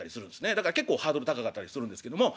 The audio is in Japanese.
だから結構ハードル高かったりするんですけども。